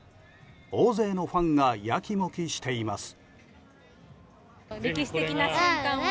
大勢のファンがやきもきしています。